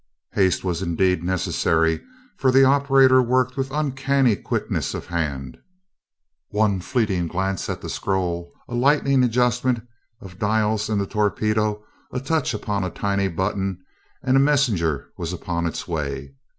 Haste was indeed necessary for the operator worked with uncanny quickness of hand. One fleeting glance at the scroll, a lightning adjustment of dials in the torpedo, a touch upon a tiny button, and a messenger was upon its way.